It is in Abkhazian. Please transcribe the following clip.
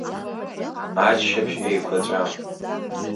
Аччаԥшь еиқәаҵәа…